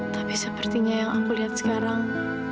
tapi sepertinya yang aku lihat sekarang